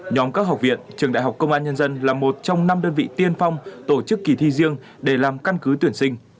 nhóm các học viện trường đại học công an nhân dân là một trong năm đơn vị tiên phong tổ chức kỳ thi riêng để làm căn cứ tuyển sinh